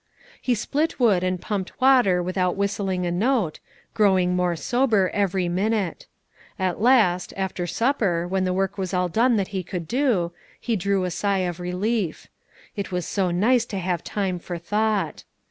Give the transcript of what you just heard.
He split wood and pumped water without whistling a note, growing more sober every minute. At last, after supper, when the work was all done that he could do, he drew a sigh of relief; it was so nice to have time for thought.